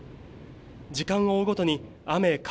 時間を追うごとに雨、風